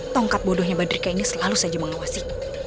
tongkat bodohnya badrika ini selalu saja mengawasi